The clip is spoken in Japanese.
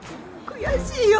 悔しいよ。